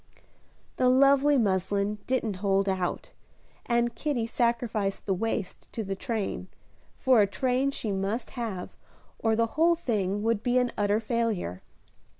The lovely muslin didn't hold out, and Kitty sacrificed the waist to the train, for a train she must have or the whole thing would be an utter failure.